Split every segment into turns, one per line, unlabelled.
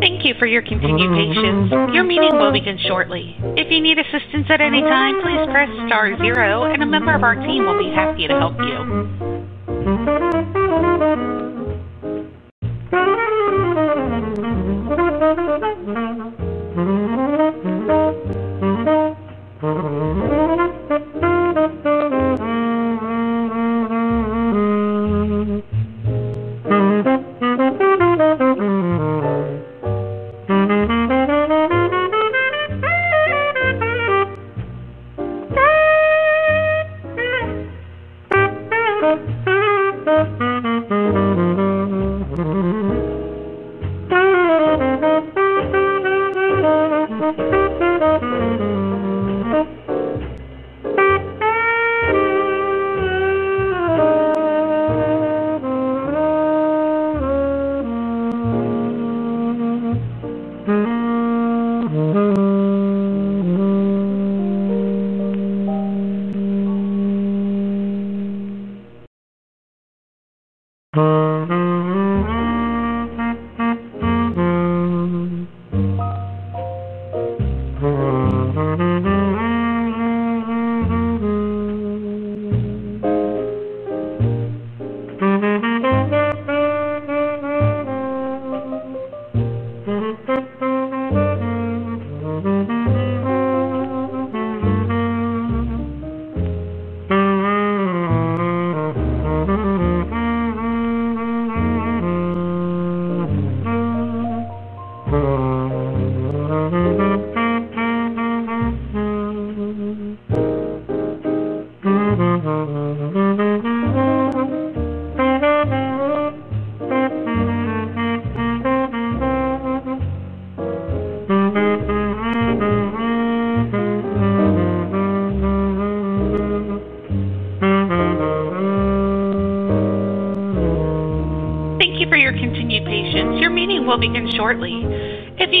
Thank you for your continued patience. Your meeting will begin shortly. If you need assistance at any time, please press star zero, and a member of our team will be happy to help you.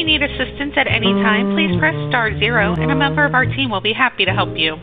Thank you for your continued patience. Your meeting will begin shortly. If you need assistance at any time, please press star zero, and a member of our team will be happy to help you.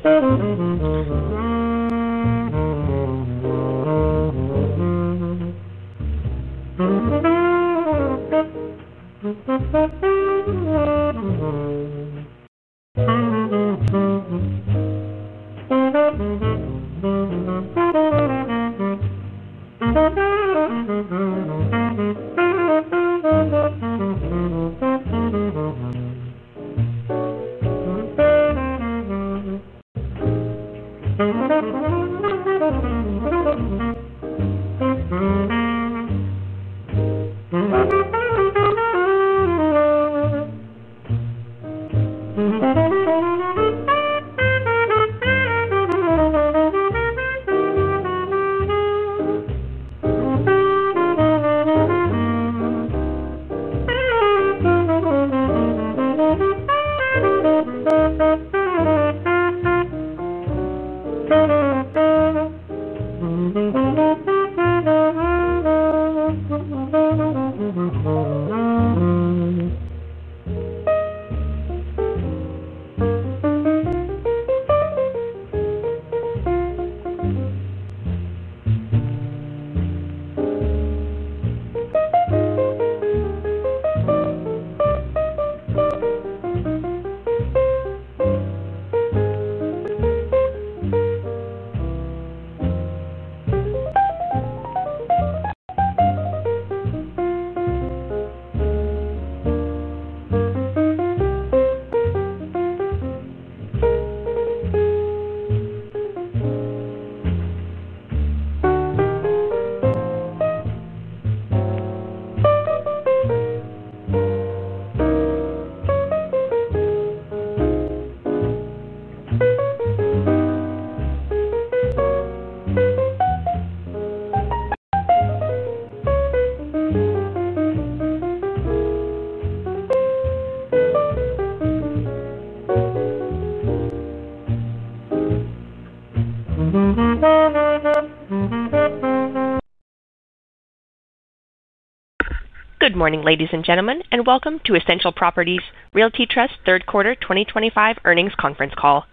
Good morning, ladies and gentlemen, and welcome to Essential Properties Realty Trust's third quarter 2025 earnings conference call.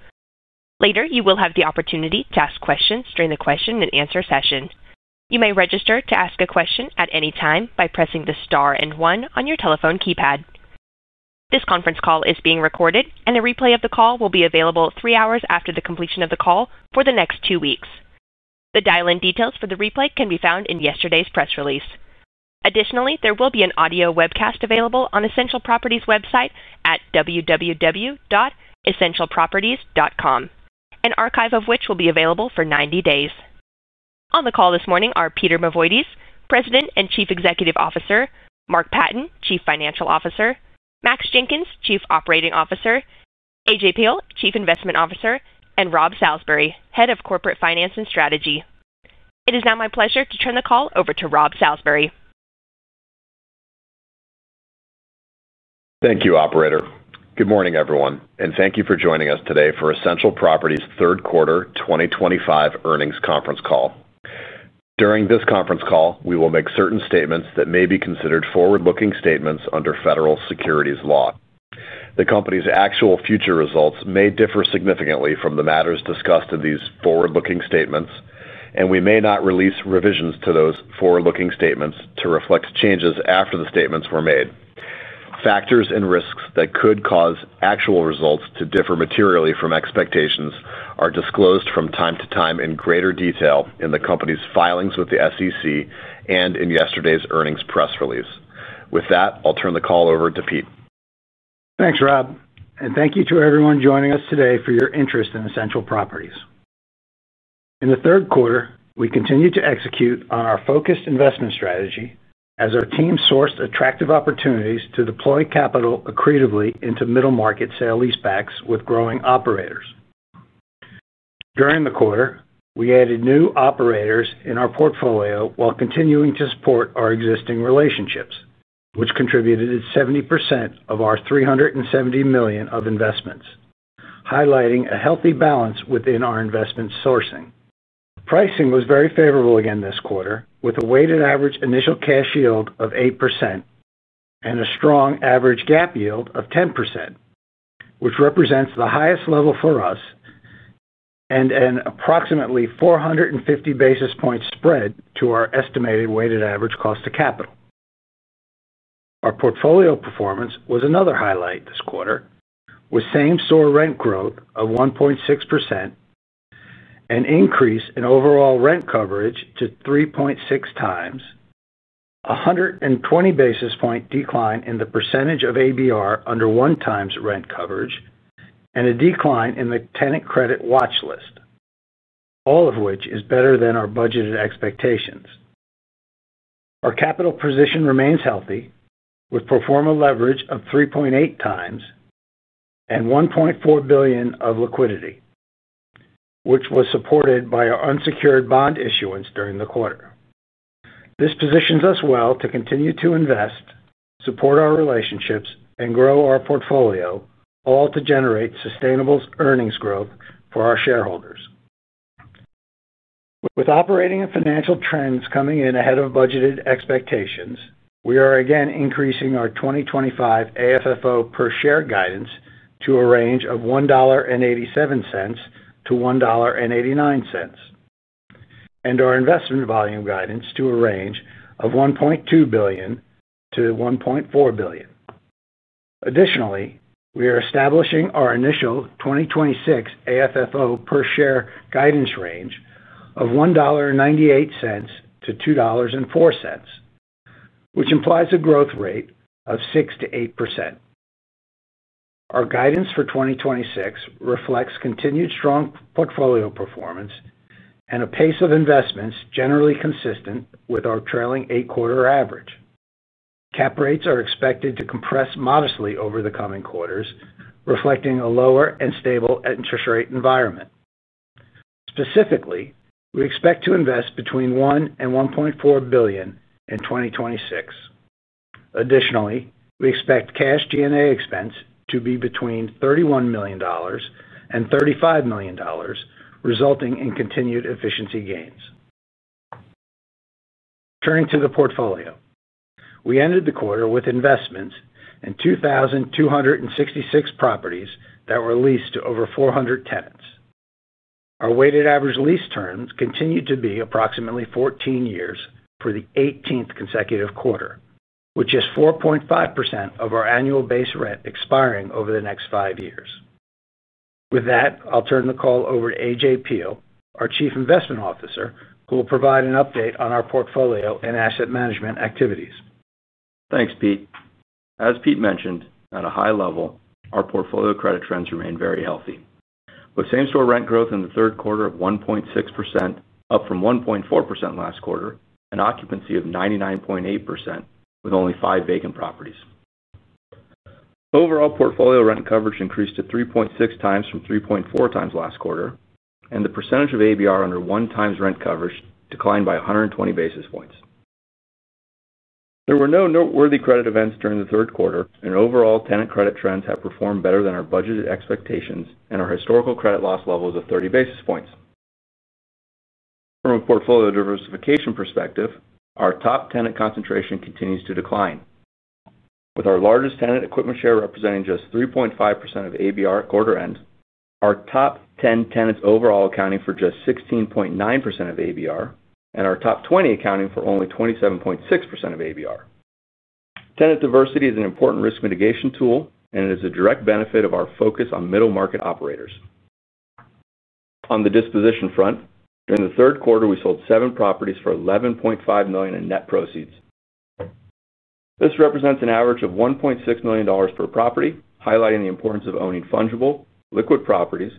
Later, you will have the opportunity to ask questions during the question and answer session. You may register to ask a question at any time by pressing the star and one on your telephone keypad. This conference call is being recorded, and a replay of the call will be available three hours after the completion of the call for the next two weeks. The dial-in details for the replay can be found in yesterday's press release. Additionally, there will be an audio webcast available on Essential Properties website at www.essentialproperties.com, an archive of which will be available for 90 days. On the call this morning are Peter Mavoides, President and Chief Executive Officer, Mark Patten, Chief Financial Officer, Max Jenkins, Chief Operating Officer, AJ Peil, Chief Investment Officer, and Rob Salisbury, Head of Corporate Finance and Strategy. It is now my pleasure to turn the call over to Rob Salisbury.
Thank you, Operator. Good morning, everyone, and thank you for joining us today for Essential Properties Realty Trust's third quarter 2025 earnings conference call. During this conference call, we will make certain statements that may be considered forward-looking statements under Federal Securities Law. The company's actual future results may differ significantly from the matters discussed in these forward-looking statements, and we may not release revisions to those forward-looking statements to reflect changes after the statements were made. Factors and risks that could cause actual results to differ materially from expectations are disclosed from time to time in greater detail in the company's filings with the SEC and in yesterday's earnings press release. With that, I'll turn the call over to Pete.
Thanks, Rob, and thank you to everyone joining us today for your interest in Essential Properties. In the third quarter, we continued to execute on our focused investment strategy as our team sourced attractive opportunities to deploy capital accretively into middle-market sale-leasebacks with growing operators. During the quarter, we added new operators in our portfolio while continuing to support our existing relationships, which contributed to 70% of our $370 million of investments, highlighting a healthy balance within our investment sourcing. Pricing was very favorable again this quarter, with a weighted average initial cash yield of 8% and a strong average gap yield of 10%, which represents the highest level for us and an approximately 450 basis points spread to our estimated weighted average cost of capital. Our portfolio performance was another highlight this quarter, with same-store rent growth of 1.6%, an increase in overall rent coverage to 3.6x, a 120 basis point decline in the percentage of annual base rent under one times rent coverage, and a decline in the tenant credit watch list, all of which is better than our budgeted expectations. Our capital position remains healthy, with a performance leverage of 3.8x and $1.4 billion of liquidity, which was supported by our unsecured bond issuance during the quarter. This positions us well to continue to invest, support our relationships, and grow our portfolio, all to generate sustainable earnings growth for our shareholders. With operating and financial trends coming in ahead of budgeted expectations, we are again increasing our 2025 AFFO per share guidance to a range of $1.87-$1.89, and our investment volume guidance to a range of $1.2 billion-$1.4 billion. Additionally, we are establishing our initial 2026 AFFO per share guidance range of $1.98-$2.04, which implies a growth rate of 6% to 8%. Our guidance for 2026 reflects continued strong portfolio performance and a pace of investments generally consistent with our trailing eight-quarter average. Cap rates are expected to compress modestly over the coming quarters, reflecting a lower and stable interest rate environment. Specifically, we expect to invest between $1 billion and $1.4 billion in 2026. Additionally, we expect cash G&A expense to be between $31 million and $35 million, resulting in continued efficiency gains. Turning to the portfolio, we ended the quarter with investments in 2,266 properties that were leased to over 400 tenants. Our weighted average lease terms continue to be approximately 14 years for the 18th consecutive quarter, which is 4.5% of our annual base rent expiring over the next five years. With that, I'll turn the call over to AJ Peil, our Chief Investment Officer, who will provide an update on our portfolio and asset management activities.
Thanks, Pete. As Pete mentioned, at a high level, our portfolio credit trends remain very healthy, with same-store rent growth in the third quarter of 1.6%, up from 1.4% last quarter, and occupancy of 99.8%, with only five vacant properties. Overall portfolio rent coverage increased to 3.6x from 3.4x last quarter, and the percentage of ABR under one times rent coverage declined by 120 basis points. There were no noteworthy credit events during the third quarter, and overall tenant credit trends have performed better than our budgeted expectations and our historical credit loss levels of 30 basis points. From a portfolio diversification perspective, our top tenant concentration continues to decline, with our largest tenant equipment share representing just 3.5% of ABR at quarter end, our top 10 tenants overall accounting for just 16.9% of ABR, and our top 20 accounting for only 27.6% of ABR. Tenant diversity is an important risk mitigation tool, and it is a direct benefit of our focus on middle-market operators. On the disposition front, during the third quarter, we sold seven properties for $11.5 million in net proceeds. This represents an average of $1.6 million per property, highlighting the importance of owning fungible, liquid properties,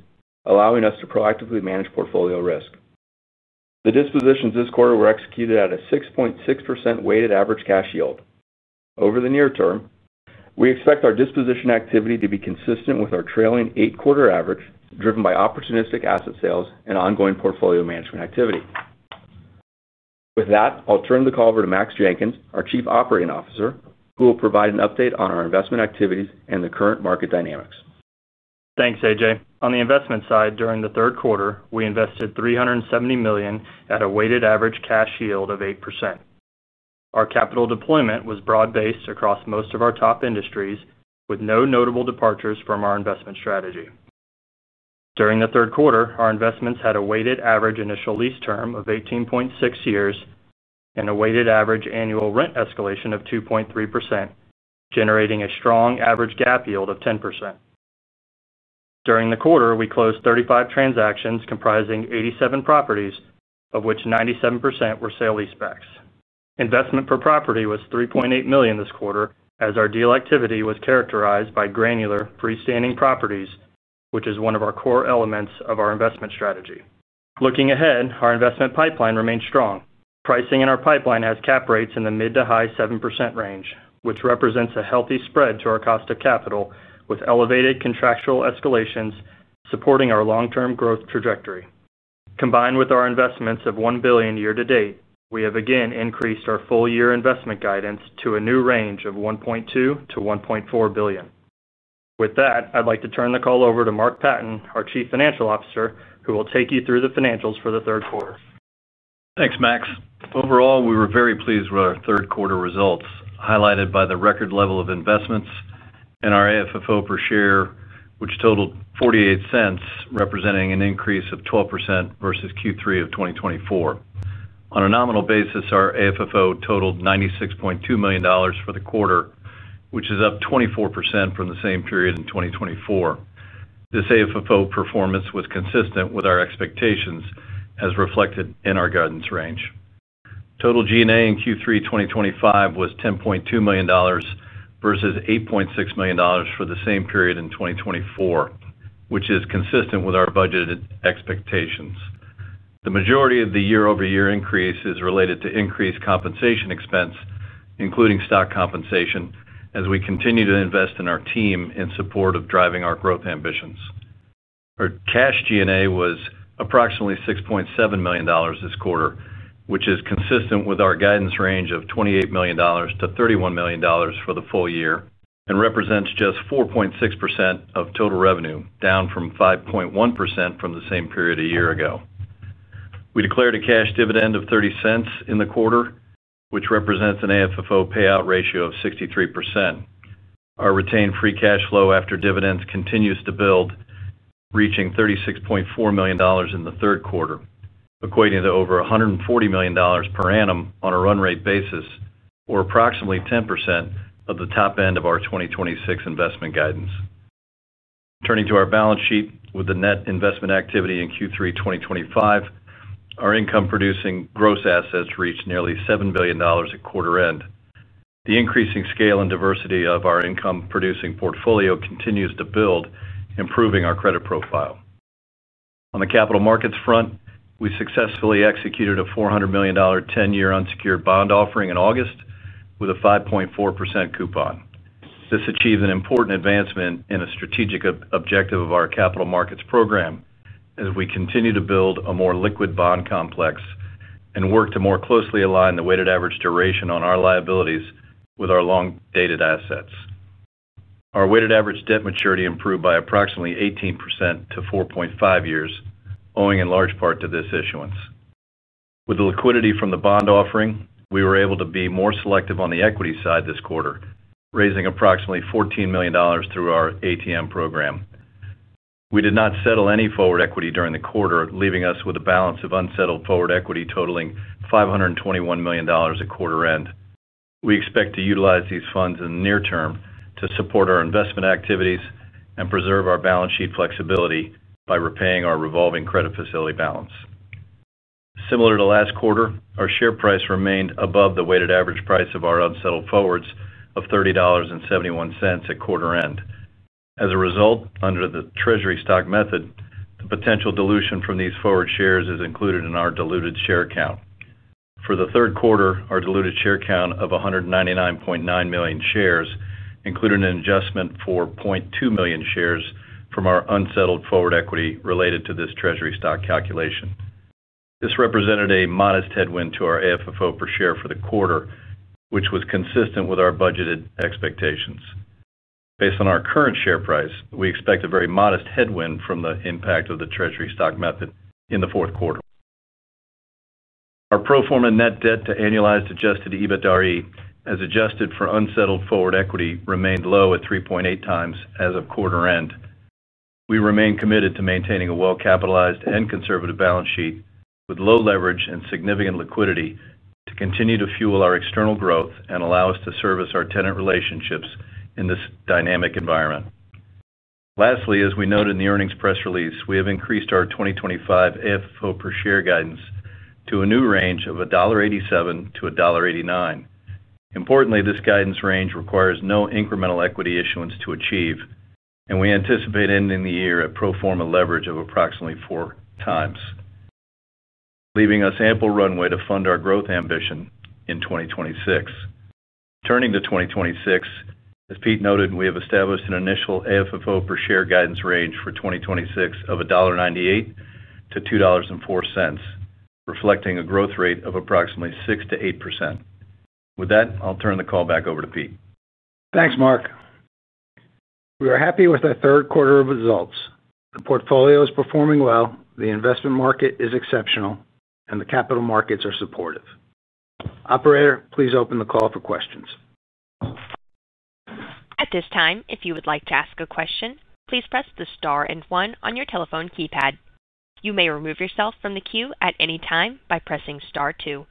allowing us to proactively manage portfolio risk. The dispositions this quarter were executed at a 6.6% weighted average cash yield. Over the near term, we expect our disposition activity to be consistent with our trailing eight-quarter average, driven by opportunistic asset sales and ongoing portfolio management activity. With that, I'll turn the call over to Max Jenkins, our Chief Operating Officer, who will provide an update on our investment activities and the current market dynamics.
Thanks, AJ. On the investment side, during the third quarter, we invested $370 million at a weighted average cash yield of 8%. Our capital deployment was broad-based across most of our top industries, with no notable departures from our investment strategy. During the third quarter, our investments had a weighted average initial lease term of 18.6 years and a weighted average annual rent escalation of 2.3%, generating a strong average gap yield of 10%. During the quarter, we closed 35 transactions, comprising 87 properties, of which 97% were sale-leasebacks. Investment per property was $3.8 million this quarter, as our deal activity was characterized by granular freestanding properties, which is one of our core elements of our investment strategy. Looking ahead, our investment pipeline remains strong. Pricing in our pipeline has cap rates in the mid to high 7% range, which represents a healthy spread to our cost of capital, with elevated contractual escalations supporting our long-term growth trajectory. Combined with our investments of $1 billion year to date, we have again increased our full-year investment guidance to a new range of $1.2 billion-$1.4 billion. With that, I'd like to turn the call over to Mark Patten, our Chief Financial Officer, who will take you through the financials for the third quarter.
Thanks, Max. Overall, we were very pleased with our third quarter results, highlighted by the record level of investments and our AFFO per share, which totaled $0.48, representing an increase of 12% versus Q3 of 2024. On a nominal basis, our AFFO totaled $96.2 million for the quarter, which is up 24% from the same period in 2024. This AFFO performance was consistent with our expectations, as reflected in our guidance range. Total G&A in Q3 2025 was $10.2 million versus $8.6 million for the same period in 2024, which is consistent with our budgeted expectations. The majority of the year-over-year increase is related to increased compensation expense, including stock compensation, as we continue to invest in our team in support of driving our growth ambitions. Our cash G&A was approximately $6.7 million this quarter, which is consistent with our guidance range of $28 million to $31 million for the full year and represents just 4.6% of total revenue, down from 5.1% from the same period a year ago. We declared a cash dividend of $0.30 in the quarter, which represents an AFFO payout ratio of 63%. Our retained free cash flow after dividends continues to build, reaching $36.4 million in the third quarter, equating to over $140 million per annum on a run-rate basis, or approximately 10% of the top end of our 2026 investment guidance. Turning to our balance sheet with the net investment activity in Q3 2025, our income-producing gross assets reached nearly $7 billion at quarter end. The increasing scale and diversity of our income-producing portfolio continues to build, improving our credit profile. On the capital markets front, we successfully executed a $400 million 10-year unsecured bond offering in August with a 5.4% coupon. This achieves an important advancement in a strategic objective of our capital markets program, as we continue to build a more liquid bond complex and work to more closely align the weighted average duration on our liabilities with our long-dated assets. Our weighted average debt maturity improved by approximately 18% to 4.5 years, owing in large part to this issuance. With the liquidity from the bond offering, we were able to be more selective on the equity side this quarter, raising approximately $14 million through our ATM program. We did not settle any forward equity during the quarter, leaving us with a balance of unsettled forward equity totaling $521 million at quarter end. We expect to utilize these funds in the near term to support our investment activities and preserve our balance sheet flexibility by repaying our revolving credit facility balance. Similar to last quarter, our share price remained above the weighted average price of our unsettled forwards of $30.71 at quarter end. As a result, under the Treasury stock method, the potential dilution from these forward shares is included in our diluted share count. For the third quarter, our diluted share count of 199.9 million shares included an adjustment for 0.2 million shares from our unsettled forward equity related to this Treasury stock calculation. This represented a modest headwind to our AFFO per share for the quarter, which was consistent with our budgeted expectations. Based on our current share price, we expect a very modest headwind from the impact of the Treasury stock method in the fourth quarter. Our pro forma net debt to annualized adjusted EBITDAre, as adjusted for unsettled forward equity, remained low at 3.8x as of quarter end. We remain committed to maintaining a well-capitalized and conservative balance sheet with low leverage and significant liquidity to continue to fuel our external growth and allow us to service our tenant relationships in this dynamic environment. Lastly, as we noted in the earnings press release, we have increased our 2025 AFFO per share guidance to a new range of $1.87-$1.89. Importantly, this guidance range requires no incremental equity issuance to achieve, and we anticipate ending the year at pro forma leverage of approximately 4x, leaving us ample runway to fund our growth ambition in 2026. Turning to 2026, as Pete noted, we have established an initial AFFO per share guidance range for 2026 of $1.98-$2.04, reflecting a growth rate of approximately 6% to 8%. With that, I'll turn the call back over to Pete.
Thanks, Mark. We are happy with our third quarter of results. The portfolio is performing well, the investment market is exceptional, and the capital markets are supportive. Operator, please open the call for questions.
At this time, if you would like to ask a question, please press the star and one on your telephone keypad. You may remove yourself from the queue at any time by pressing star two.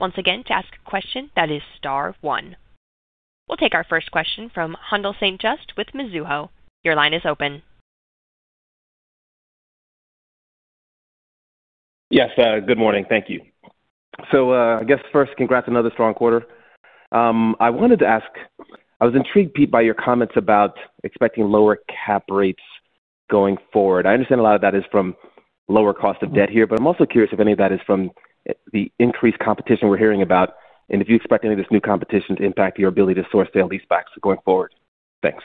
Once again, to ask a question, that is star one. We'll take our first question from Haendel St. Juste with Mizuho. Your line is open.
Yes, good morning. Thank you. First, congrats on another strong quarter. I wanted to ask, I was intrigued, Pete, by your comments about expecting lower cap rates going forward. I understand a lot of that is from lower cost of debt here, but I'm also curious if any of that is from the increased competition we're hearing about, and if you expect any of this new competition to impact your ability to source sale-leasebacks going forward. Thanks.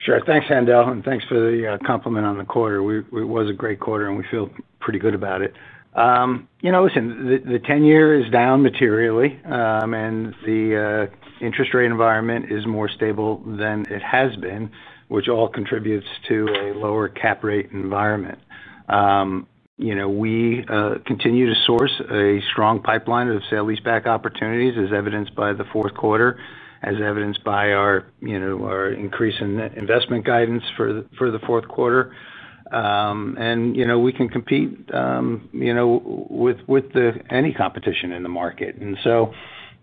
Sure. Thanks, Haendel, and thanks for the compliment on the quarter. It was a great quarter, and we feel pretty good about it. The 10-year is down materially, and the interest rate environment is more stable than it has been, which all contributes to a lower cap rate environment. We continue to source a strong pipeline of sale-leaseback opportunities, as evidenced by the fourth quarter, as evidenced by our increase in investment guidance for the fourth quarter. We can compete with any competition in the market.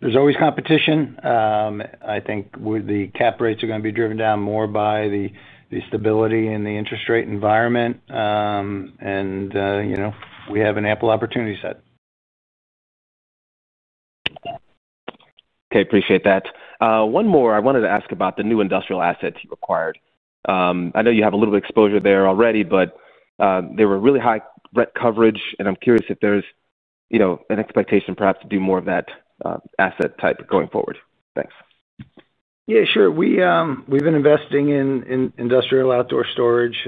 There is always competition. I think the cap rates are going to be driven down more by the stability in the interest rate environment, and we have an ample opportunity set.
Okay, appreciate that. One more, I wanted to ask about the new industrial assets you acquired. I know you have a little bit of exposure there already, but they were really high rent coverage, and I'm curious if there's, you know, an expectation perhaps to do more of that asset type going forward. Thanks.
Yeah, sure. We've been investing in industrial outdoor storage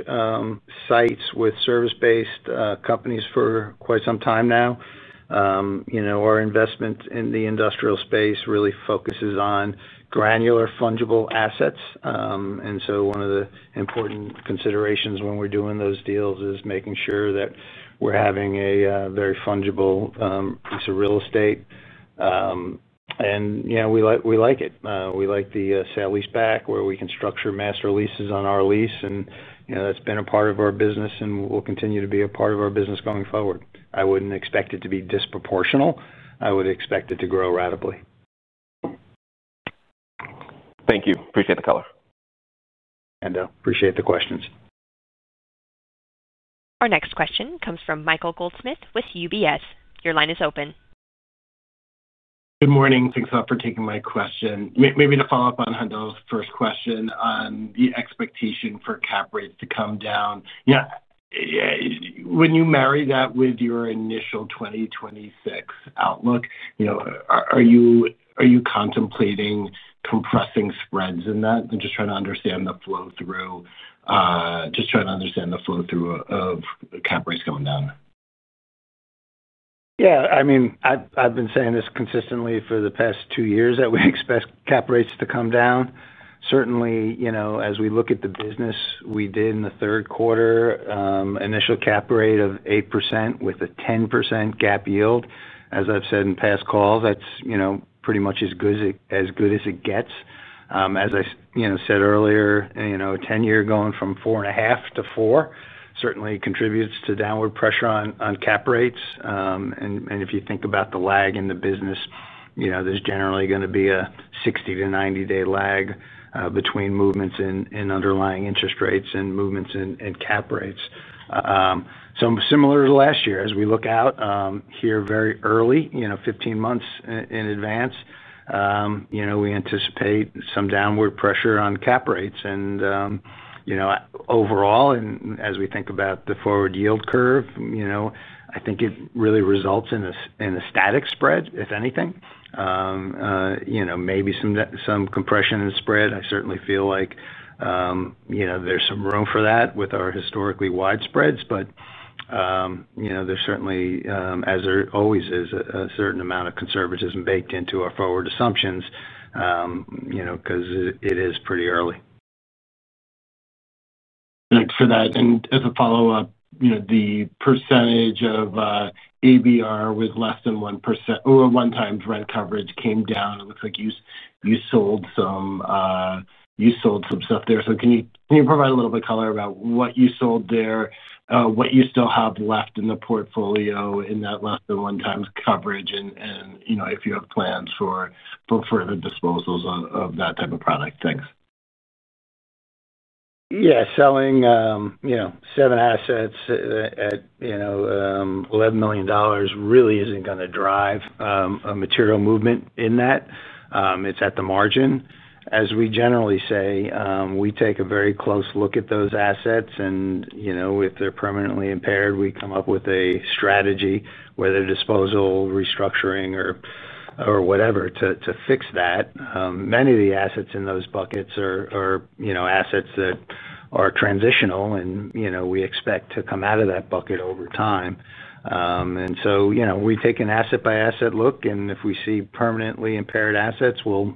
sites with service-based companies for quite some time now. Our investment in the industrial space really focuses on granular, fungible assets. One of the important considerations when we're doing those deals is making sure that we're having a very fungible piece of real estate. We like it. We like the sale-leaseback where we can structure master leases on our lease, and that's been a part of our business and will continue to be a part of our business going forward. I wouldn't expect it to be disproportional. I would expect it to grow rapidly.
Thank you. Appreciate the color.
Haendel, appreciate the questions.
Our next question comes from Michael Goldsmith with UBS. Your line is open.
Good morning. Thanks a lot for taking my question. Maybe to follow up on Haendel's first question on the expectation for cap rates to come down. When you marry that with your initial 2026 outlook, are you contemplating compressing spreads in that? I'm just trying to understand the flow-through, just trying to understand the flow-through of cap rates going down.
Yeah, I mean, I've been saying this consistently for the past two years that we expect cap rates to come down. Certainly, as we look at the business, we did in the third quarter, initial cap rate of 8% with a 10% gap yield. As I've said in past calls, that's pretty much as good as it gets. As I said earlier, a 10-year going from 4.5 to 4 certainly contributes to downward pressure on cap rates. If you think about the lag in the business, there's generally going to be a 60 to 90-day lag between movements in underlying interest rates and movements in cap rates. Similar to last year, as we look out here very early, 15 months in advance, we anticipate some downward pressure on cap rates. Overall, as we think about the forward yield curve, I think it really results in a static spread, if anything. Maybe some compression in the spread. I certainly feel like there's some room for that with our historically wide spreads. There's certainly, as there always is, a certain amount of conservatism baked into our forward assumptions because it is pretty early.
Thanks for that. As a follow-up, the percentage of ABR with less than 1% or one times rent coverage came down. It looks like you sold some, you sold some stuff there. Can you provide a little bit of color about what you sold there, what you still have left in the portfolio in that less than one times coverage? If you have plans for further disposals of that type of product, thanks.
Yeah, selling seven assets at $11 million really isn't going to drive a material movement in that. It's at the margin. As we generally say, we take a very close look at those assets, and if they're permanently impaired, we come up with a strategy, whether disposal, restructuring, or whatever to fix that. Many of the assets in those buckets are assets that are transitional, and we expect to come out of that bucket over time. We take an asset-by-asset look, and if we see permanently impaired assets, we'll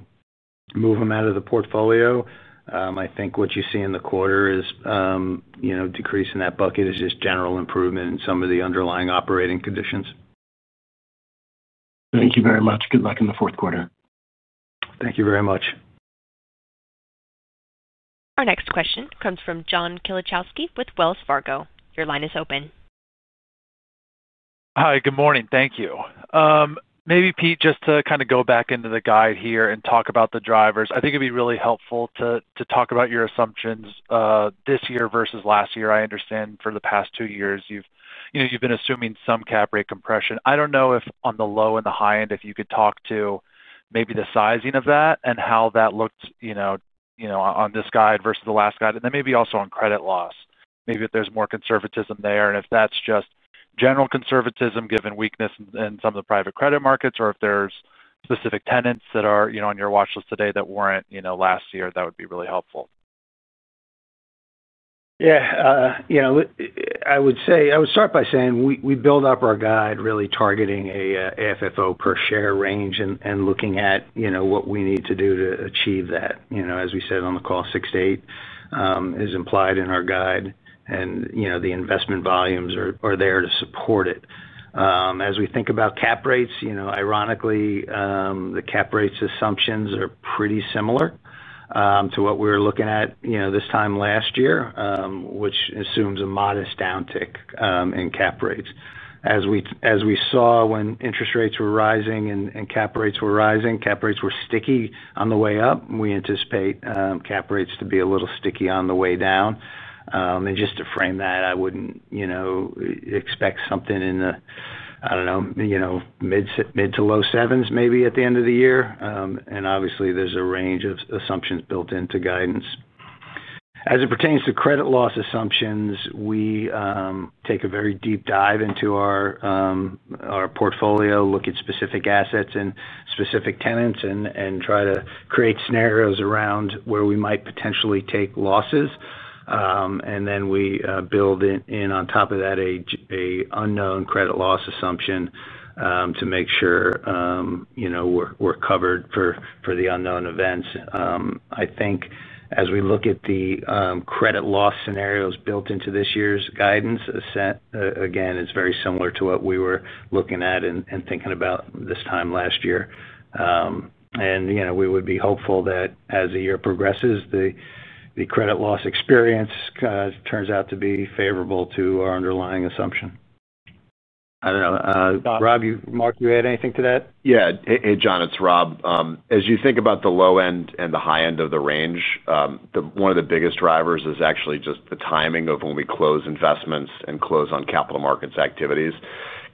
move them out of the portfolio. I think what you see in the quarter is a decrease in that bucket, which is just general improvement in some of the underlying operating conditions.
Thank you very much. Good luck in the fourth quarter.
Thank you very much.
Our next question comes from John Kilichowski with Wells Fargo. Your line is open.
Hi, good morning. Thank you. Maybe, Pete, just to kind of go back into the guide here and talk about the drivers, I think it'd be really helpful to talk about your assumptions, this year versus last year. I understand for the past two years you've been assuming some cap rate compression. I don't know if on the low and the high end if you could talk to maybe the sizing of that and how that looked on this guide versus the last guide, and then maybe also on credit loss. Maybe if there's more conservatism there, and if that's just general conservatism given weakness in some of the private credit markets, or if there's specific tenants that are on your credit watch list today that weren't last year, that would be really helpful.
Yeah, I would say I would start by saying we build up our guide really targeting an AFFO per share range and looking at what we need to do to achieve that. As we said on the call, 6 to 8 is implied in our guide, and the investment volumes are there to support it. As we think about cap rates, ironically, the cap rates assumptions are pretty similar to what we were looking at this time last year, which assumes a modest downtick in cap rates. As we saw when interest rates were rising and cap rates were rising, cap rates were sticky on the way up. We anticipate cap rates to be a little sticky on the way down. Just to frame that, I wouldn't expect something in the, I don't know, mid to low sevens maybe at the end of the year. Obviously, there's a range of assumptions built into guidance. As it pertains to credit loss assumptions, we take a very deep dive into our portfolio, look at specific assets and specific tenants, and try to create scenarios around where we might potentially take losses. Then we build in on top of that an unknown credit loss assumption to make sure we're covered for the unknown events. I think as we look at the credit loss scenarios built into this year's guidance, again, it's very similar to what we were looking at and thinking about this time last year. We would be hopeful that as the year progresses, the credit loss experience turns out to be favorable to our underlying assumption. I don't know, Rob, you Mark, you add anything to that?
Yeah, hey, John, it's Rob. As you think about the low end and the high end of the range, one of the biggest drivers is actually just the timing of when we close investments and close on capital markets activities.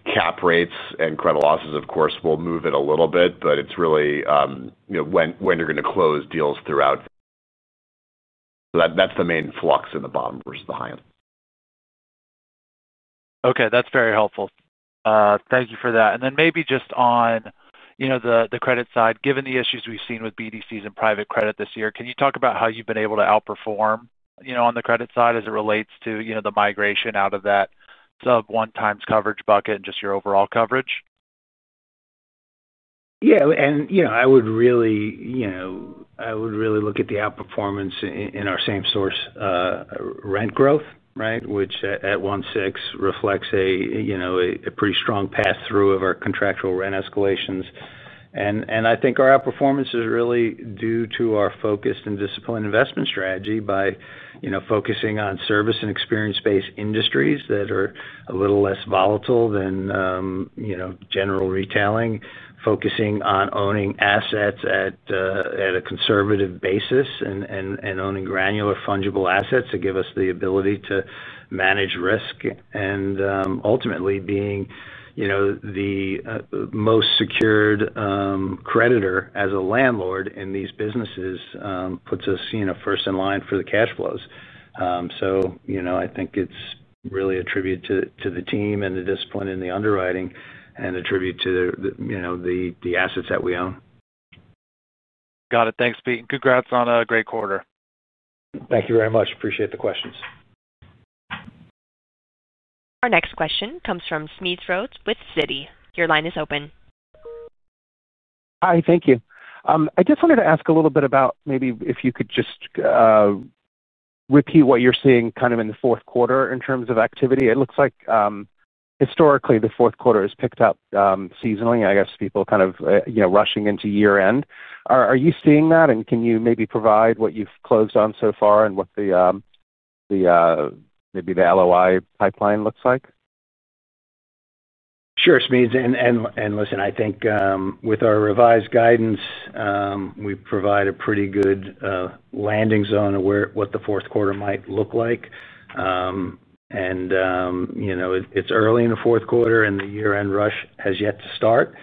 Cap rates and credit losses, of course, will move it a little bit, but it's really when you're going to close deals throughout. That's the main flux in the bottom versus the high end.
Okay, that's very helpful. Thank you for that. Maybe just on the credit side, given the issues we've seen with BDCs and private credit this year, can you talk about how you've been able to outperform on the credit side as it relates to the migration out of that sub-one times coverage bucket and just your overall coverage?
Yeah, I would really look at the outperformance in our same-store rent growth, right, which at 1.6% reflects a pretty strong pass-through of our contractual rent escalations. I think our outperformance is really due to our focused and disciplined investment strategy by focusing on service and experience-based industries that are a little less volatile than general retailing, focusing on owning assets at a conservative basis and owning granular, fungible assets that give us the ability to manage risk. Ultimately, being the most secured creditor as a landlord in these businesses puts us first in line for the cash flows. I think it's really a tribute to the team and the discipline in the underwriting and a tribute to the assets that we own.
Got it. Thanks, Pete. Congrats on a great quarter.
Thank you very much. Appreciate the questions.
Our next question comes from Smedes Rose with Citi. Your line is open.
Hi, thank you. I just wanted to ask a little bit about maybe if you could just repeat what you're seeing kind of in the fourth quarter in terms of activity. It looks like, historically, the fourth quarter has picked up seasonally, I guess people kind of, you know, rushing into year-end. Are you seeing that, and can you maybe provide what you've closed on so far and what the, what the, maybe the LOI pipeline looks like?
Sure, Smedes, I think with our revised guidance, we provide a pretty good landing zone of what the fourth quarter might look like. You know, it's early in the fourth quarter, and the year-end rush has yet to start.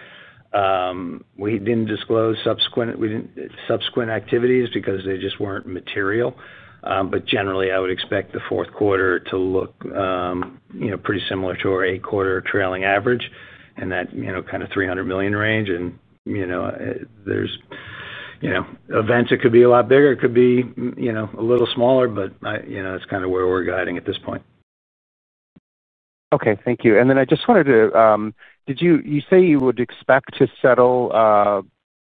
We didn't disclose subsequent activities because they just weren't material. Generally, I would expect the fourth quarter to look pretty similar to our eight-quarter trailing average in that kind of $300 million range. There are events that could be a lot bigger, it could be a little smaller, but that's kind of where we're guiding at this point.
Okay, thank you. I just wanted to, did you say you would expect to settle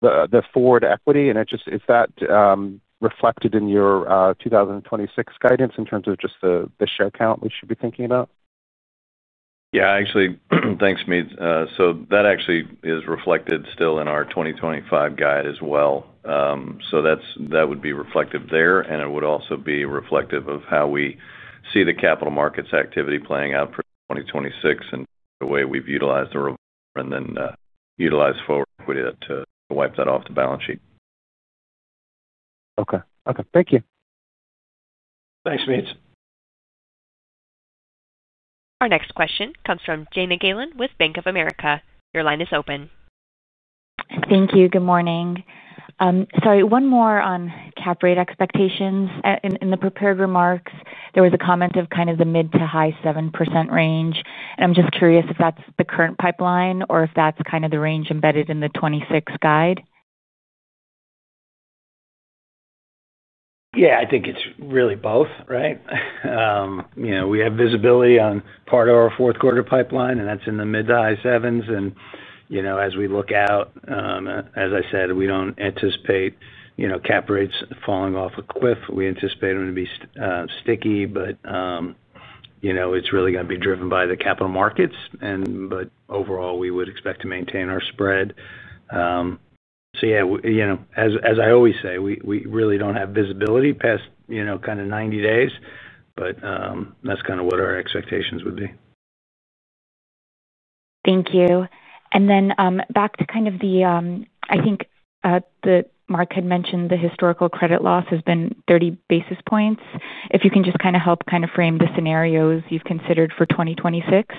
the forward equity, and is that reflected in your 2026 guidance in terms of just the share count we should be thinking about?
Yeah, actually, thanks, Smedes. That actually is reflected still in our 2025 guide as well. That's, that would be reflective there, and it would also be reflective of how we see the capital markets activity playing out for 2026 and the way we've utilized the reverse and then utilized forward equity to wipe that off the balance sheet.
Okay, thank you.
Thanks, Smedes.
Our next question comes from Jana Galan with Bank of America. Your line is open.
Thank you. Good morning. Sorry, one more on cap rate expectations. In the prepared remarks, there was a comment of kind of the mid to high 7% range, and I'm just curious if that's the current pipeline or if that's kind of the range embedded in the 2026 guide.
Yeah, I think it's really both, right? You know, we have visibility on part of our fourth quarter pipeline, and that's in the mid to high sevens. You know, as we look out, as I said, we don't anticipate, you know, cap rates falling off a cliff. We anticipate them to be sticky, but, you know, it's really going to be driven by the capital markets. Overall, we would expect to maintain our spread. Yeah, you know, as I always say, we really don't have visibility past, you know, kind of 90 days, but that's kind of what our expectations would be.
Thank you. Back to the, I think Mark had mentioned the historical credit loss has been 30 basis points. If you can just help frame the scenarios you've considered for 2026.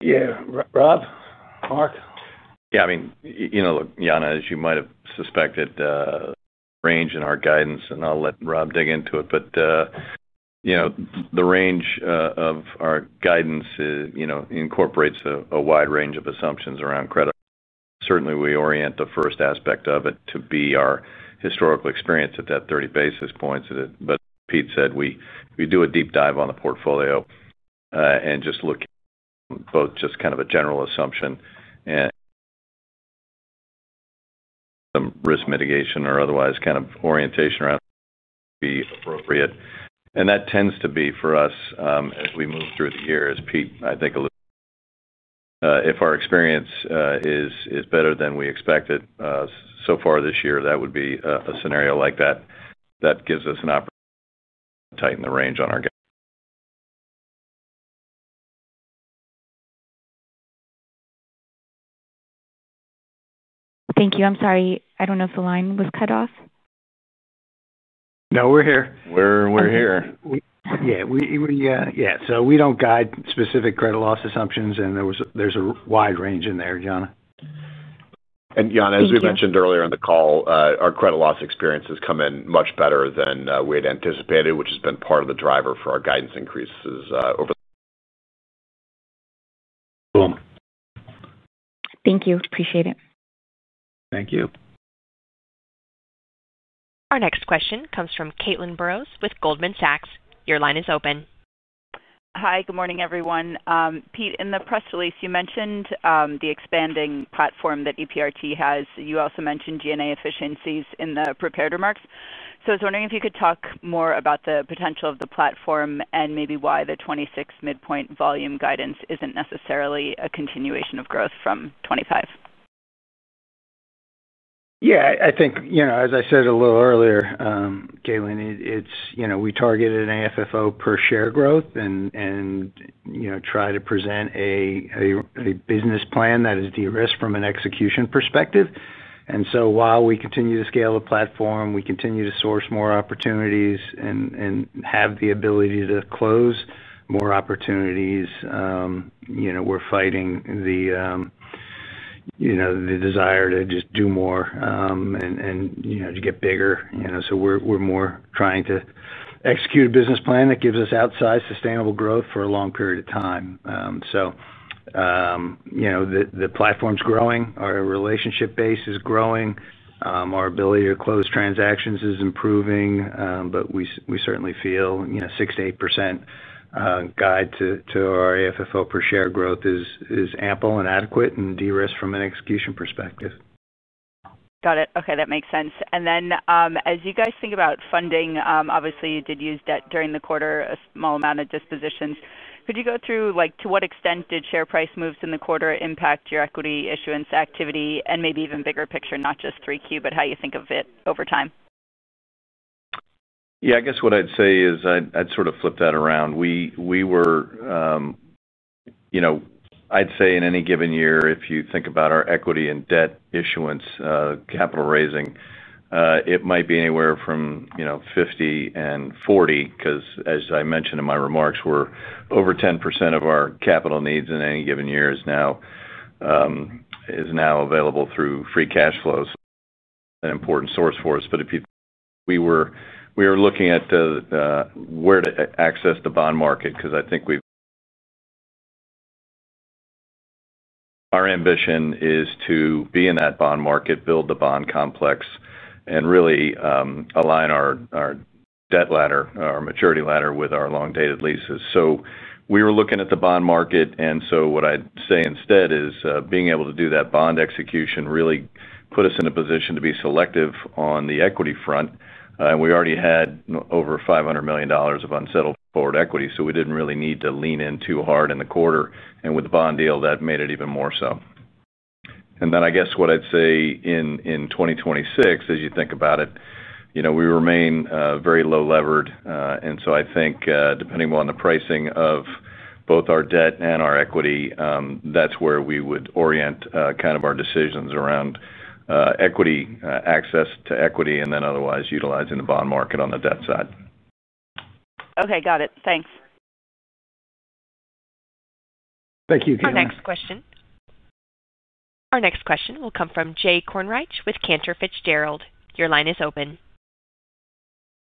Yeah, Rob, Mark?
Yeah, I mean, you know, look, Jana, as you might have suspected, the range in our guidance, and I'll let Rob dig into it, but the range of our guidance incorporates a wide range of assumptions around credit. Certainly, we orient the first aspect of it to be our historical experience at that 30 basis points. As Pete said, we do a deep dive on the portfolio and just look at both a general assumption and some risk mitigation or otherwise kind of orientation around it would be appropriate. That tends to be for us, as we move through the year, as Pete, I think, alluded to, if our experience is better than we expected so far this year, that would be a scenario like that that gives us an opportunity to tighten the range on our guidance.
Thank you. I'm sorry. I don't know if the line was cut off.
No, we're here.
We're here.
Yeah, we don't guide specific credit loss assumptions, and there was a wide range in there, Yana.
Yana, as we mentioned earlier in the call, our credit loss experience has come in much better than we had anticipated, which has been part of the driver for our guidance increases over the period.
Cool.
Thank you. Appreciate it.
Thank you.
Our next question comes from Caitlin Burrows with Goldman Sachs. Your line is open.
Hi, good morning, everyone. Pete, in the press release, you mentioned the expanding platform that EPRT has. You also mentioned G&A efficiencies in the prepared remarks. I was wondering if you could talk more about the potential of the platform and maybe why the 2026 midpoint volume guidance isn't necessarily a continuation of growth from 2025.
Yeah, I think, as I said a little earlier, Galan, we targeted an AFFO per share growth and try to present a business plan that is de-risked from an execution perspective. While we continue to scale the platform, we continue to source more opportunities and have the ability to close more opportunities, we're fighting the desire to just do more, and to get bigger. We're more trying to execute a business plan that gives us outsized sustainable growth for a long period of time. The platform's growing. Our relationship base is growing. Our ability to close transactions is improving. We certainly feel 6%-8% guide to our AFFO per share growth is ample and adequate and de-risked from an execution perspective.
Got it. Okay, that makes sense. As you guys think about funding, obviously, you did use debt during the quarter, a small amount of dispositions. Could you go through, to what extent did share price moves in the quarter impact your equity issuance activity and maybe even bigger picture, not just 3Q, but how you think of it over time?
Yeah, I guess what I'd say is I'd sort of flip that around. We were, you know, I'd say in any given year, if you think about our equity and debt issuance, capital raising, it might be anywhere from, you know, $50 million and $40 million because, as I mentioned in my remarks, over 10% of our capital needs in any given year is now available through free cash flows. An important source for us. If you think we were looking at where to access the bond market because I think our ambition is to be in that bond market, build the bond complex, and really align our debt ladder, our maturity ladder with our long-dated leases. We were looking at the bond market, and what I'd say instead is, being able to do that bond execution really put us in a position to be selective on the equity front. We already had over $500 million of unsettled forward equity, so we didn't really need to lean in too hard in the quarter. With the bond deal, that made it even more so. I guess what I'd say in 2026, as you think about it, we remain very low levered. I think, depending on the pricing of both our debt and our equity, that's where we would orient kind of our decisions around equity, access to equity, and then otherwise utilizing the bond market on the debt side.
Okay, got it. Thanks.
Thank you, Candice.
Our next question will come from Jay Kornreich with Cantor Fitzgerald. Your line is open.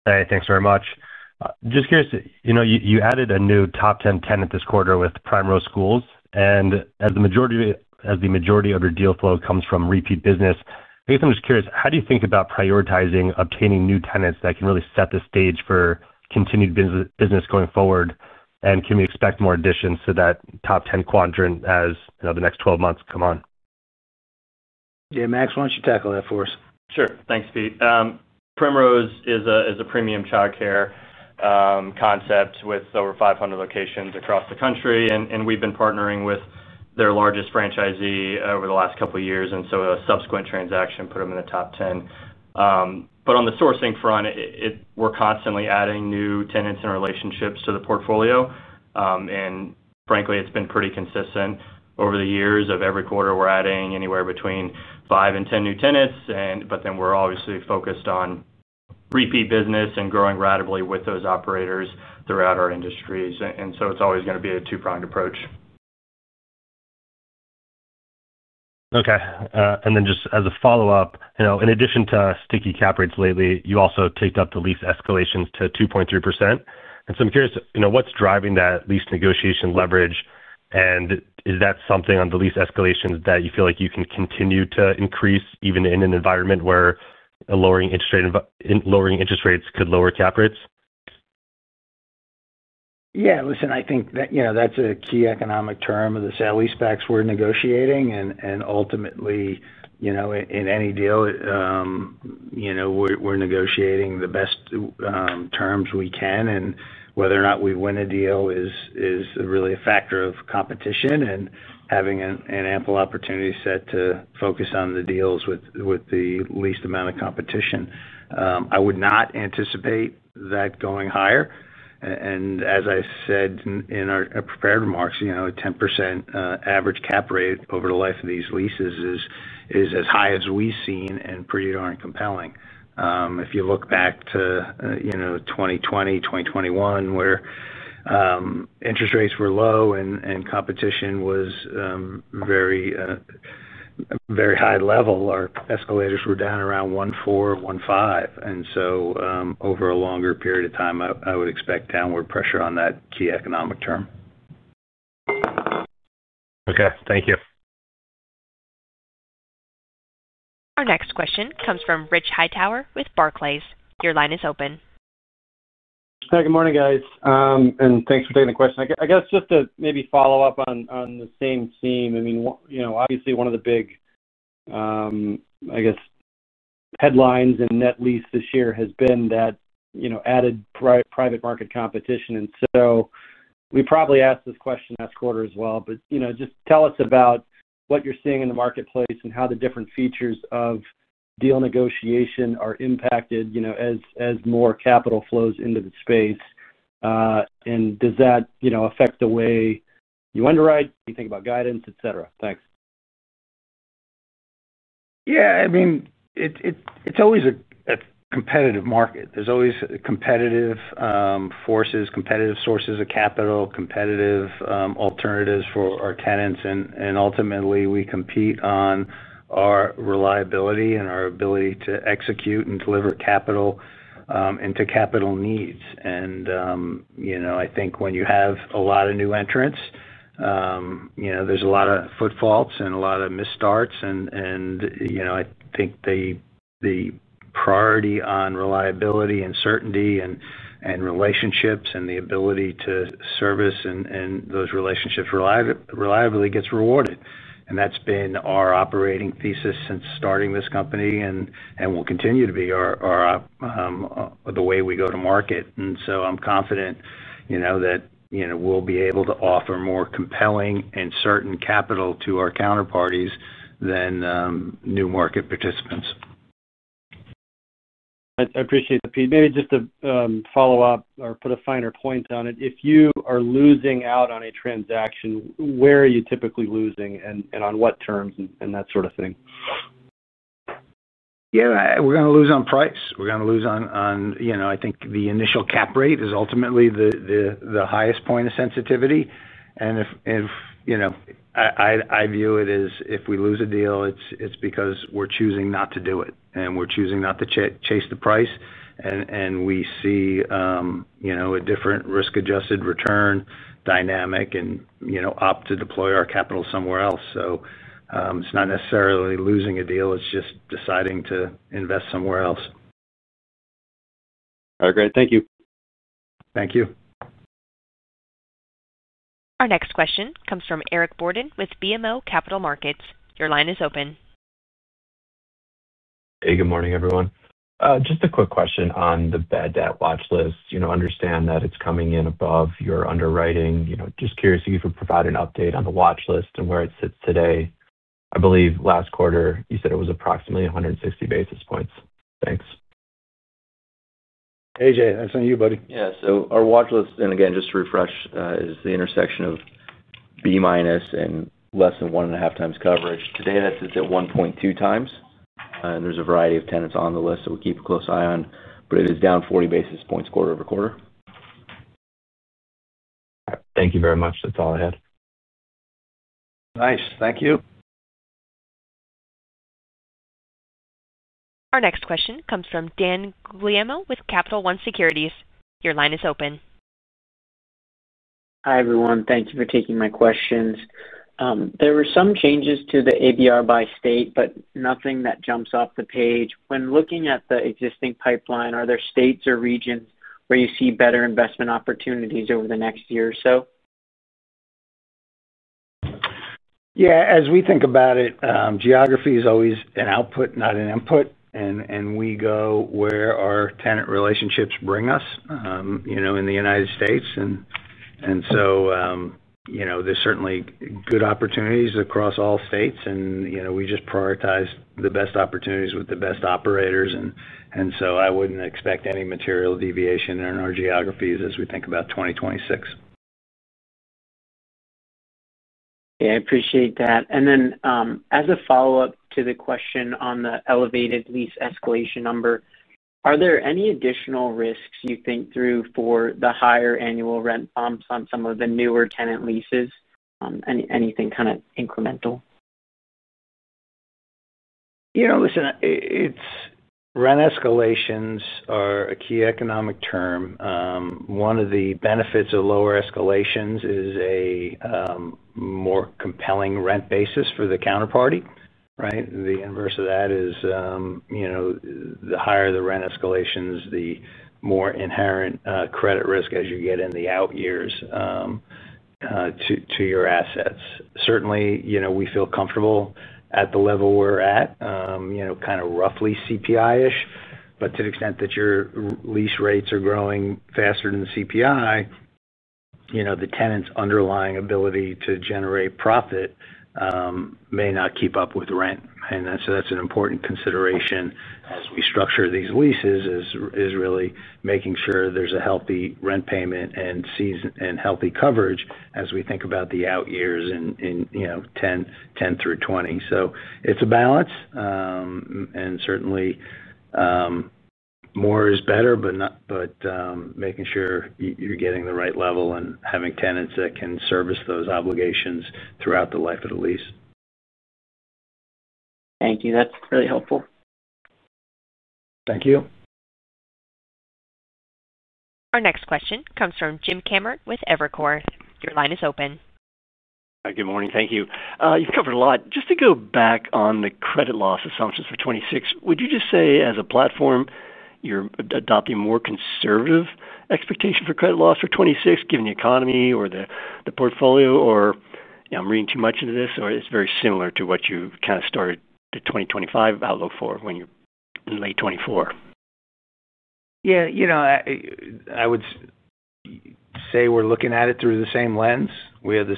Hey, thanks very much. Just curious, you know, you added a new top 10 tenant this quarter with Primrose Schools. As the majority of your deal flow comes from repeat business, I'm just curious, how do you think about prioritizing obtaining new tenants that can really set the stage for continued business going forward? Can we expect more additions to that top 10 quadrant as the next 12 months come on?
Yeah, Max, why don't you tackle that for us?
Sure. Thanks, Pete. Primrose is a premium child care concept with over 500 locations across the country. We've been partnering with their largest franchisee over the last couple of years, and a subsequent transaction put them in the top 10. On the sourcing front, we're constantly adding new tenants and relationships to the portfolio, and frankly, it's been pretty consistent over the years. Every quarter we're adding anywhere between 5 and 10 new tenants. We're obviously focused on repeat business and growing rapidly with those operators throughout our industries. It's always going to be a two-pronged approach.
Okay. Just as a follow-up, you know, in addition to sticky cap rates lately, you also ticked up the lease escalations to 2.3%. I'm curious, you know, what's driving that lease negotiation leverage? Is that something on the lease escalations that you feel like you can continue to increase even in an environment where lowering interest rates could lower cap rates?
Yeah, listen, I think that, you know, that's a key economic term of the sale-leasebacks we're negotiating. Ultimately, you know, in any deal, we're negotiating the best terms we can. Whether or not we win a deal is really a factor of competition and having an ample opportunity set to focus on the deals with the least amount of competition. I would not anticipate that going higher. As I said in our prepared remarks, you know, a 10% average cap rate over the life of these leases is as high as we've seen and pretty darn compelling. If you look back to, you know, 2020, 2021, where interest rates were low and competition was a very, very high level, our escalators were down around 1.4%, 1.5%. Over a longer period of time, I would expect downward pressure on that key economic term.
Okay, thank you.
Our next question comes from Rich Hightower with Barclays. Your line is open.
Hi, good morning, guys, and thanks for taking the question. I guess just to maybe follow up on the same theme, I mean, obviously, one of the big headlines in net lease this year has been that added private market competition. We probably asked this question last quarter as well, but just tell us about what you're seeing in the marketplace and how the different features of deal negotiation are impacted as more capital flows into the space. Does that affect the way you underwrite, you think about guidance, etc.? Thanks.
Yeah, I mean, it's always a competitive market. There are always competitive forces, competitive sources of capital, competitive alternatives for our tenants. Ultimately, we compete on our reliability and our ability to execute and deliver capital and to capital needs. I think when you have a lot of new entrants, there are a lot of foot faults and a lot of missed starts. I think the priority on reliability and certainty and relationships and the ability to service those relationships reliably gets rewarded. That's been our operating thesis since starting this company and will continue to be the way we go to market. I'm confident that we'll be able to offer more compelling and certain capital to our counterparties than new market participants.
I appreciate that, Pete. Maybe just to follow up or put a finer point on it. If you are losing out on a transaction, where are you typically losing and on what terms and that sort of thing?
Yeah, we're going to lose on price. We're going to lose on, I think, the initial cap rate is ultimately the highest point of sensitivity. If I view it as if we lose a deal, it's because we're choosing not to do it and we're choosing not to chase the price. We see a different risk-adjusted return dynamic and opt to deploy our capital somewhere else. It's not necessarily losing a deal. It's just deciding to invest somewhere else.
All right, great. Thank you.
Thank you.
Our next question comes from Eric Borden with BMO Capital Markets. Your line is open.
Hey, good morning, everyone. Just a quick question on the tenant credit watch list. You know, understand that it's coming in above your underwriting. Just curious if you could provide an update on the watch list and where it sits today. I believe last quarter you said it was approximately 160 basis points. Thanks.
Hey, Jay. That's on you, buddy.
Yeah, our watch list, just to refresh, is the intersection of B minus and less than 1.5x coverage. Today, that sits at 1.2x. There's a variety of tenants on the list that we keep a close eye on, but it is down 40 basis points quarter over quarter.
All right, thank you very much. That's all I had.
Nice. Thank you.
Our next question comes from Dan Guglielmo with Capital One Securities. Your line is open.
Hi, everyone. Thank you for taking my questions. There were some changes to the ABR by state, but nothing that jumps off the page. When looking at the existing pipeline, are there states or regions where you see better investment opportunities over the next year or so?
Yeah, as we think about it, geography is always an output, not an input. We go where our tenant relationships bring us, you know, in the United States. There are certainly good opportunities across all states. We just prioritize the best opportunities with the best operators. I wouldn't expect any material deviation in our geographies as we think about 2026.
Yeah, I appreciate that. As a follow-up to the question on the elevated lease escalation number, are there any additional risks you think through for the higher annual rent bumps on some of the newer tenant leases? Anything kind of incremental?
You know, listen, rent escalations are a key economic term. One of the benefits of lower escalations is a more compelling rent basis for the counterparty, right? The inverse of that is, the higher the rent escalations, the more inherent credit risk as you get in the out years to your assets. Certainly, we feel comfortable at the level we're at, kind of roughly CPI-ish. To the extent that your lease rates are growing faster than the CPI, the tenant's underlying ability to generate profit may not keep up with rent. That's an important consideration as we structure these leases, making sure there's a healthy rent payment and season and healthy coverage as we think about the out years in, you know, 10, 10 through 20. It's a balance. Certainly, more is better, but making sure you're getting the right level and having tenants that can service those obligations throughout the life of the lease.
Thank you. That's really helpful.
Thank you.
Our next question comes from James Kammert with Evercore. Your line is open.
Hi, good morning. Thank you. You've covered a lot. Just to go back on the credit loss assumptions for 2026, would you just say as a platform, you're adopting more conservative expectation for credit loss for 2026, given the economy or the portfolio, or you know, I'm reading too much into this, or it's very similar to what you kind of started the 2025 outlook for when you're in late 2024?
Yeah, you know, I would say we're looking at it through the same lens. We have the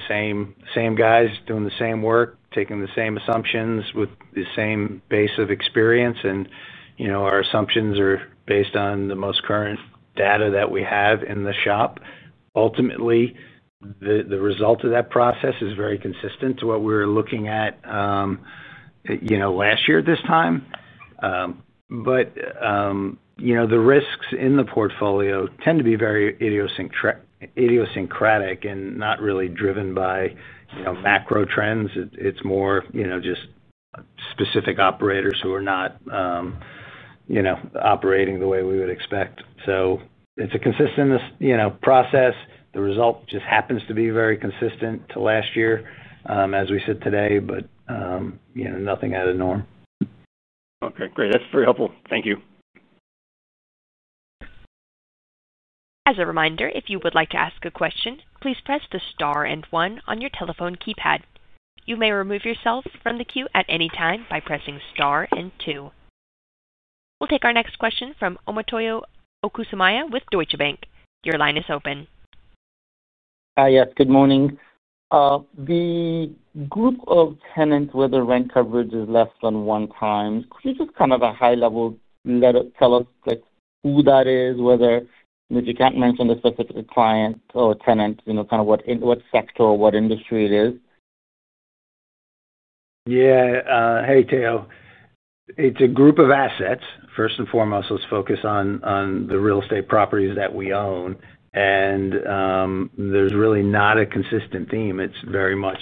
same guys doing the same work, taking the same assumptions with the same base of experience. You know, our assumptions are based on the most current data that we have in the shop. Ultimately, the result of that process is very consistent to what we were looking at last year at this time. You know, the risks in the portfolio tend to be very idiosyncratic and not really driven by macro trends. It's more just specific operators who are not operating the way we would expect. It's a consistent process. The result just happens to be very consistent to last year, as we sit today, but nothing out of the norm.
Okay, great. That's very helpful. Thank you.
As a reminder, if you would like to ask a question, please press the star and one on your telephone keypad. You may remove yourself from the queue at any time by pressing star and two. We'll take our next question from Omotayo Okusanya with Deutsche Bank. Your line is open.
Hi, yes, good morning. The group of tenants where the rent coverage is less than one time, could you just kind of at a high level tell us who that is, whether if you can't mention the specific client or tenant, you know, in what sector or what industry it is?
Yeah, hey, Tayo. It's a group of assets. First and foremost, let's focus on the real estate properties that we own. There's really not a consistent theme. It's very much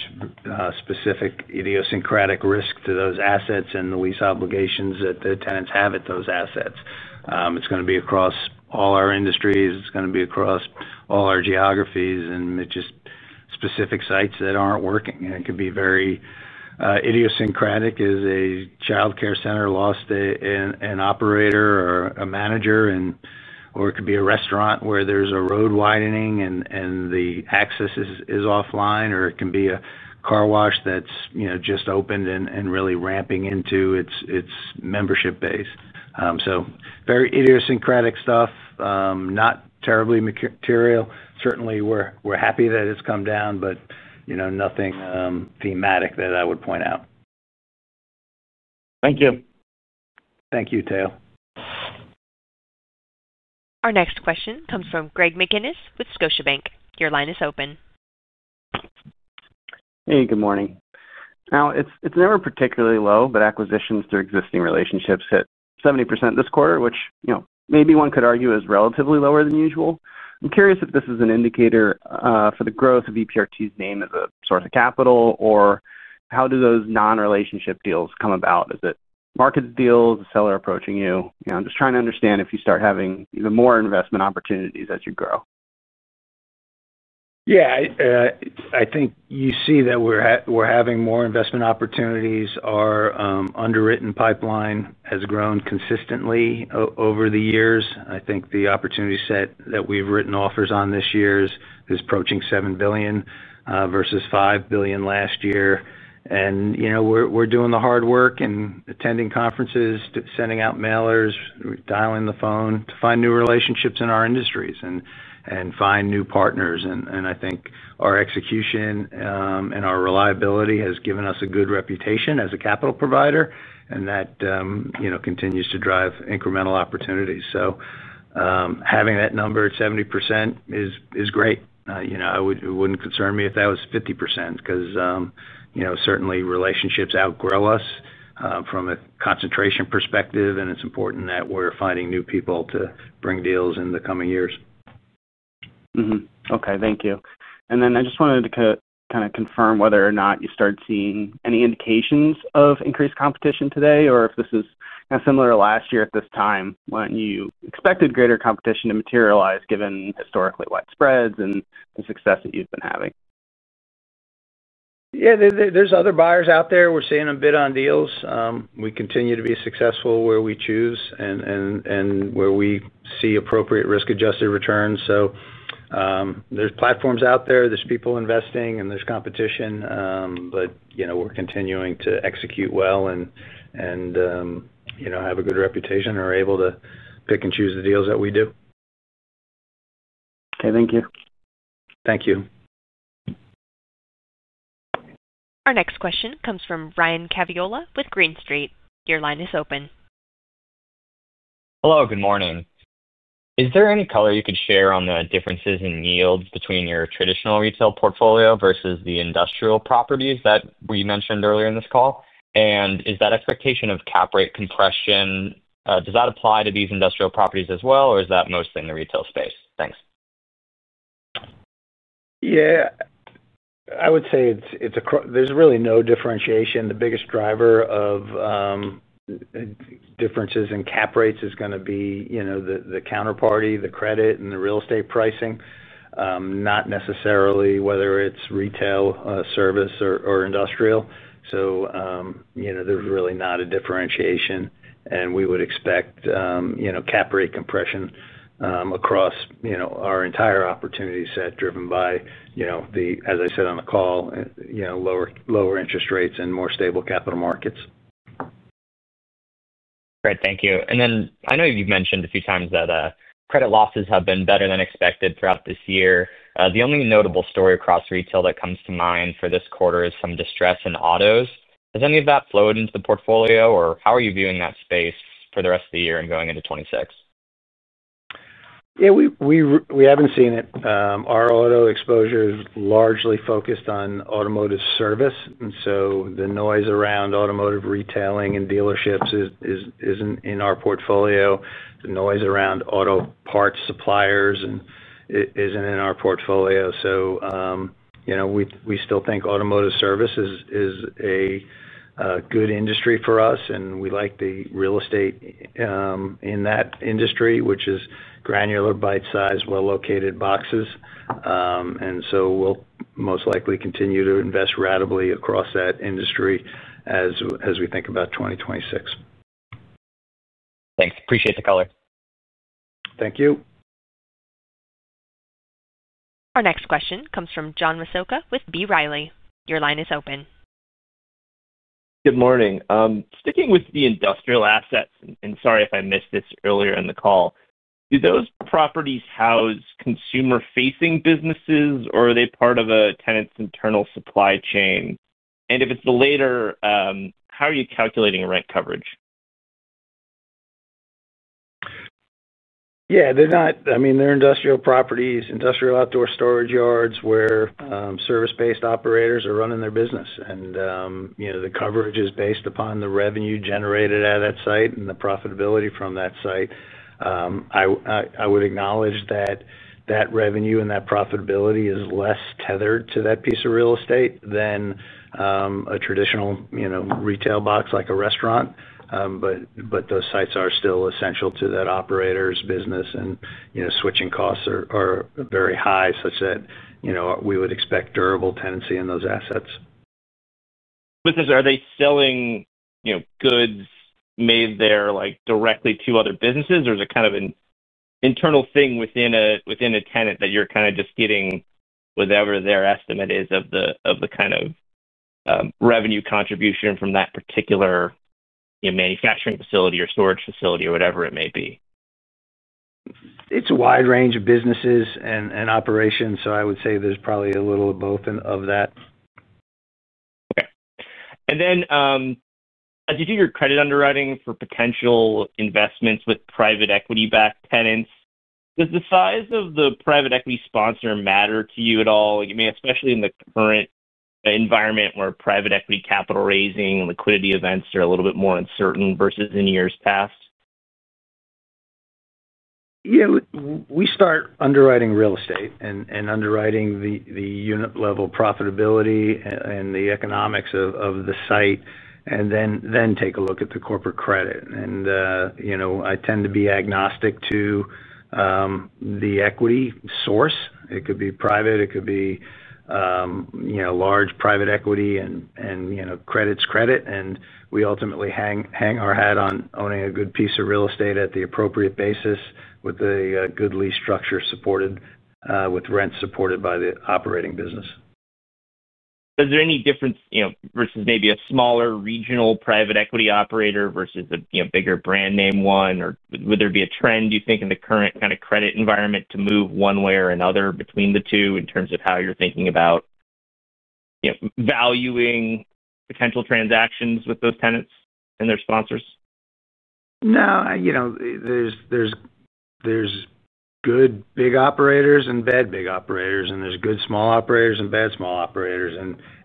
specific idiosyncratic risk to those assets and the lease obligations that the tenants have at those assets. It's going to be across all our industries. It's going to be across all our geographies and it's just specific sites that aren't working. It could be very idiosyncratic, as a childcare center lost an operator or a manager, or it could be a restaurant where there's a road widening and the access is offline, or it can be a car wash that's just opened and really ramping into its membership base. Very idiosyncratic stuff, not terribly material. Certainly, we're happy that it's come down, but nothing thematic that I would point out.
Thank you.
Thank you, Tayo.
Our next question comes from Greg McGinniss with Scotiabank. Your line is open.
Hey, good morning. Now, it's never particularly low, but acquisitions through existing relationships hit 70% this quarter, which, you know, maybe one could argue is relatively lower than usual. I'm curious if this is an indicator for the growth of EPRT's name as a source of capital, or how do those non-relationship deals come about? Is it markets deals, a seller approaching you? I'm just trying to understand if you start having even more investment opportunities as you grow.
Yeah, I think you see that we're having more investment opportunities. Our underwritten pipeline has grown consistently over the years. I think the opportunity set that we've written offers on this year is approaching $7 billion, versus $5 billion last year. We're doing the hard work and attending conferences, sending out mailers, dialing the phone to find new relationships in our industries and find new partners. I think our execution and our reliability has given us a good reputation as a capital provider, and that continues to drive incremental opportunities. Having that number at 70% is great. It wouldn't concern me if that was 50% because, certainly, relationships outgrow us from a concentration perspective, and it's important that we're finding new people to bring deals in the coming years. Mm-hmm.
Thank you. I just wanted to confirm whether or not you started seeing any indications of increased competition today, or if this is similar to last year at this time, when you expected greater competition to materialize given historically wide spreads and the success that you've been having.
Yeah, there are other buyers out there. We're seeing them bid on deals. We continue to be successful where we choose and where we see appropriate risk-adjusted returns. There are platforms out there, people investing, and competition. You know, we're continuing to execute well, have a good reputation, and are able to pick and choose the deals that we do.
Okay, thank you.
Thank you.
Our next question comes from Ryan Caviola with Green Street. Your line is open.
Hello, good morning. Is there any color you could share on the differences in yields between your traditional retail portfolio versus the industrial properties that we mentioned earlier in this call? Is that expectation of cap rate compression, does that apply to these industrial properties as well, or is that mostly in the retail space? Thanks.
Yeah, I would say it's across, there's really no differentiation. The biggest driver of differences in cap rates is going to be the counterparty, the credit, and the real estate pricing, not necessarily whether it's retail, service, or industrial. There's really not a differentiation. We would expect cap rate compression across our entire opportunity set driven by, as I said on the call, lower interest rates and more stable capital markets.
Great, thank you. I know you've mentioned a few times that credit losses have been better than expected throughout this year. The only notable story across retail that comes to mind for this quarter is some distress in autos. Has any of that flowed into the portfolio, or how are you viewing that space for the rest of the year and going into 2026?
We haven't seen it. Our auto exposure is largely focused on automotive service. The noise around automotive retailing and dealerships isn't in our portfolio. The noise around auto parts suppliers isn't in our portfolio. We still think automotive service is a good industry for us, and we like the real estate in that industry, which is granular, bite-sized, well-located boxes. We'll most likely continue to invest rapidly across that industry as we think about 2026.
Thanks. Appreciate the color.
Thank you.
Our next question comes from John Massocca with B.Riley. Your line is open.
Good morning. Sticking with the industrial assets, and sorry if I missed this earlier in the call, do those properties house consumer-facing businesses, or are they part of a tenant's internal supply chain? If it's the latter, how are you calculating rent coverage?
Yeah, they're not, I mean, they're industrial properties, industrial outdoor storage yards where service-based operators are running their business. You know, the coverage is based upon the revenue generated at that site and the profitability from that site. I would acknowledge that that revenue and that profitability is less tethered to that piece of real estate than a traditional, you know, retail box like a restaurant. Those sites are still essential to that operator's business, and switching costs are very high such that, you know, we would expect durable tenancy in those assets.
Are they selling, you know, goods made there directly to other businesses, or is it kind of an internal thing within a tenant that you're just getting whatever their estimate is of the revenue contribution from that particular, you know, manufacturing facility or storage facility or whatever it may be?
It's a wide range of businesses and operations. I would say there's probably a little of both of that.
Okay. As you do your credit underwriting for potential investments with private equity-backed tenants, does the size of the private equity sponsor matter to you at all? I mean, especially in the current environment where private equity capital raising and liquidity events are a little bit more uncertain versus in years past?
Yeah, we start underwriting real estate and underwriting the unit-level profitability and the economics of the site, then take a look at the corporate credit. I tend to be agnostic to the equity source. It could be private. It could be large private equity, and credit's credit. We ultimately hang our hat on owning a good piece of real estate at the appropriate basis with a good lease structure, with rent supported by the operating business.
Is there any difference versus maybe a smaller regional private equity operator versus a bigger brand name one? Would there be a trend, do you think, in the current kind of credit environment to move one way or another between the two in terms of how you're thinking about valuing potential transactions with those tenants and their sponsors?
No, you know, there's good big operators and bad big operators, and there's good small operators and bad small operators.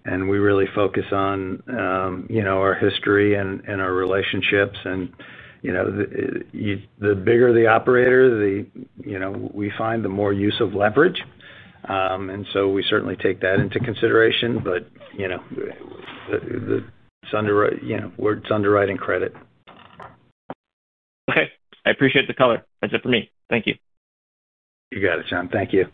We really focus on our history and our relationships. The bigger the operator, we find the more use of leverage, and we certainly take that into consideration. It's underwriting credit.
Okay. I appreciate the color. That's it for me. Thank you.
You got it, John. Thank you.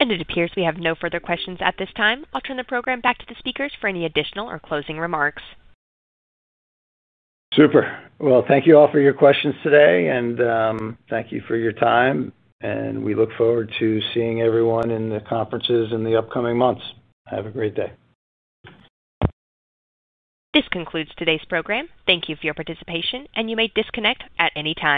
It appears we have no further questions at this time. I'll turn the program back to the speakers for any additional or closing remarks.
Super. Thank you all for your questions today, and thank you for your time. We look forward to seeing everyone in the conferences in the upcoming months. Have a great day.
This concludes today's program. Thank you for your participation, and you may disconnect at any time.